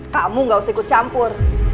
kamu gak usah ikut campur